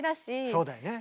そうだよね。